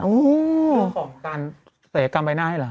โอ้เรื่องของการเศรษฐกรรมไปหน้าให้หรอค่ะ